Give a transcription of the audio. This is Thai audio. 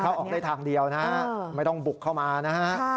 เข้าออกได้ทางเดียวนะฮะไม่ต้องบุกเข้ามานะฮะ